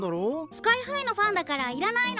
スカイハイのファンだからいらないの。